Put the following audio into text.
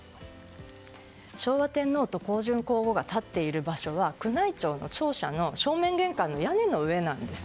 昭和天皇と香淳皇后が立っている場所は宮内庁の庁舎の正面玄関の屋根の上なんです。